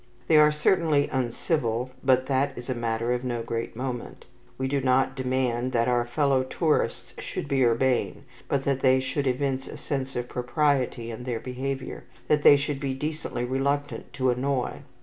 They are certainly uncivil, but that is a matter of no great moment. We do not demand that our fellow tourists should be urbane, but that they should evince a sense of propriety in their behaviour, that they should be decently reluctant to annoy.